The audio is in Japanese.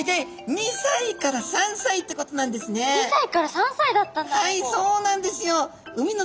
２歳から３歳だったんだあの子。